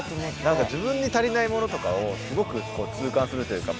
何か自分に足りないものとかをすごく痛感するというか。